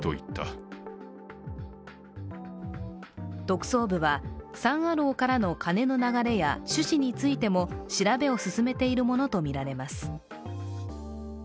特捜部は、サン・アローからの金の流れや趣旨についても調べを進めているものとみられます。